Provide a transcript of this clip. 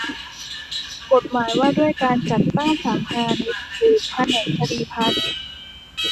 กฎหมายว่าด้วยการจัดตั้งศาลพาณิชย์หรือแผนกคดีพาณิชย์